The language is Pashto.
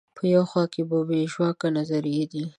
په یوه خوا کې مو بې ژواکه نظریې دي.